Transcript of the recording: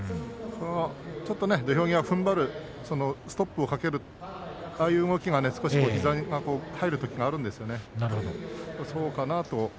ちょっと土俵際ふんばるストップをかける動きが膝にかかることがあるんですよね。